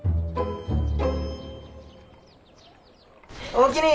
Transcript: おおきに。